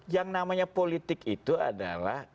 yang namanya politik itu adalah